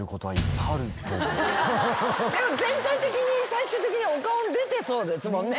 全体的に最終的にお顔に出てそうですもんね。